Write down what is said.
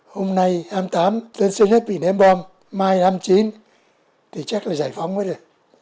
hôm nay hai mươi tám tân sơn nhất bị ném bom mai hai mươi chín thì chắc là giải phóng hết rồi